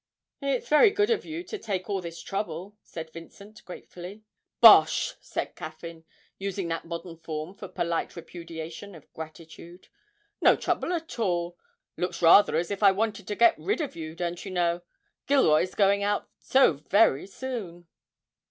'It's very good of you to take all this trouble,' said Vincent gratefully. 'Bosh!' said Caffyn, using that modern form for polite repudiation of gratitude 'no trouble at all; looks rather as if I wanted to get rid of you, don't you know Gilroy's going out so very soon.'